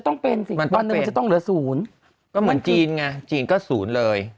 ต้องเป็นสิมันตอนหนึ่งมันจะต้องเหลือศูนย์ก็เหมือนจีนไงจีนก็ศูนย์เลย